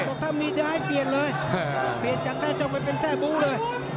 บอกถ้ามีเดี๋ยวให้เปลี่ยนเลยเปลี่ยนจัดแทร่จ้องไปเป็นแทร่บูเลย